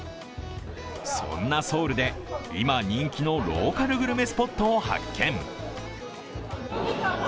そんなソウルで今、人気のローカルグルメスポットを発見。